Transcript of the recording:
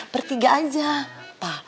bertiga aja pa